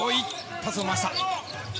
パスを回した。